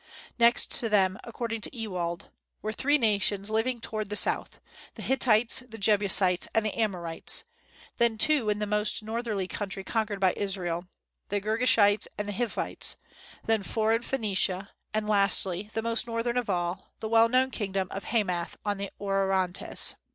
Next to them, according to Ewald, "were three nations living toward the South, the Hittites, the Jebusites, and the Amorites; then two in the most northerly country conquered by Israel, the Girgashites and the Hivites; then four in Phoenicia; and lastly, the most northern of all, the well known kingdom of Hamath on the Orontes."